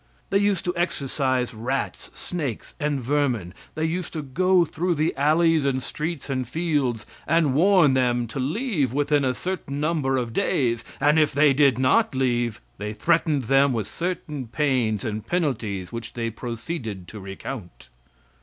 They used to exorcise rats, snakes and vermin; they used to go through the alleys and streets and fields and warn them to leave within a certain number of days, and if they did not leave, they threatened them with certain pains and penalties which they proceeded to recount.